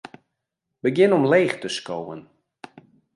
Begjin omleech te skowen.